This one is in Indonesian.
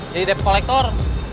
jadi dep kolektor